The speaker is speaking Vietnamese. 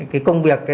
cái công việc